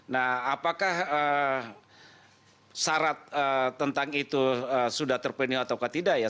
nah apakah syarat tentang itu sudah terpenuhi atau tidak ya